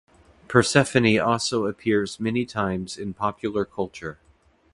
Persephone also appears many times in popular culture.